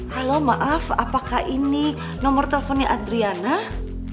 halo maaf apakah ini nomor teleponnya adriana